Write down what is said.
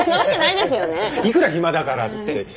いくら暇だからって。